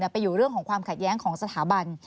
ไปอยู่เรื่องของความขัดแย้งของสถาบัน